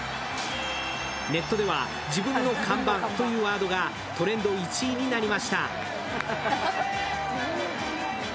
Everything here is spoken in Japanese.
ネットでは「自分の看板」というワードがトレンド１位になりました。